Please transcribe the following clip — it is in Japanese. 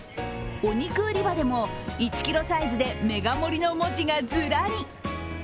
お肉売り場でも１ｋｇサイズでメガ盛りの文字がズラリ。